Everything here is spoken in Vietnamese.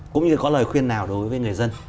cũng như có lời khuyên nào đối với người dân